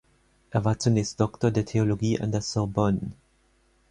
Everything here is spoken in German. Er war zunächst Doktor der Theologie an der Sorbonne.